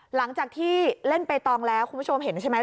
หลังจากที่เล่นใบตองแล้วคุณผู้ชมเห็นใช่ไหม